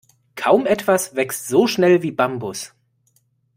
Kaum etwas wächst so schnell wie Bambus.